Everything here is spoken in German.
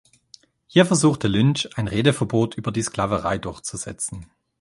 Hier versuchte Lynch, ein Redeverbot über die Sklaverei durchzusetzen.